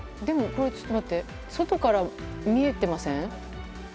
外から見えていません？